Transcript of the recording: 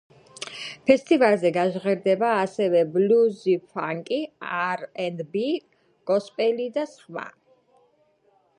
ფესტივალზე გაჟღერდება ასევე ბლუზი ფანკი, არ ენდ ბი, გოსპელი და სხვა.